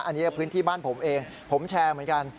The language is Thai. อันนี้พื้นที่บ้านผมเองผมแชร์เหมือนกัน